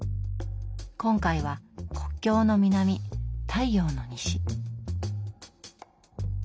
今回は「国境の南、太陽の西」。